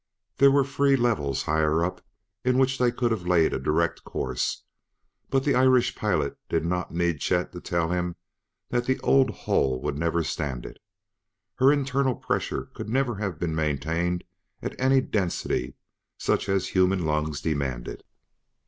There were free levels higher up in which they could have laid a direct course, but the Irish pilot did not need Chet to tell him that the old hull would never stand it. Her internal pressure could never have been maintained at any density such as human lungs demanded.